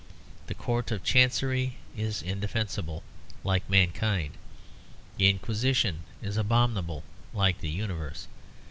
The Court of Chancery is indefensible like mankind. The Inquisition is abominable like the universe.